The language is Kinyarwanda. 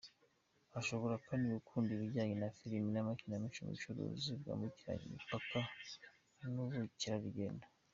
Ashobora kandi gukunda ibijyanye na filime n’amakinamico, ubucuruzi bwambukiranya imipaka n’ubukerarugendo.